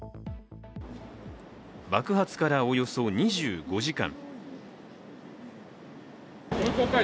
爆発からおよそ２５時間。